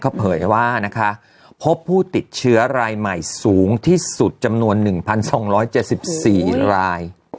เขาเผยว่านะคะพบผู้ติดเชื้อรายใหม่สูงที่สุดจำนวน๑๒๗๔ราย